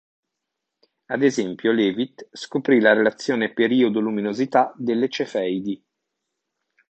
Ad esempio, Leavitt scoprì la relazione periodo luminosità delle Cefeidi.